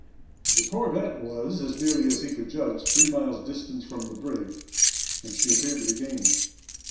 The corvette was, as nearly as he could judge, three miles distant from the brig and she appeared to be gaining.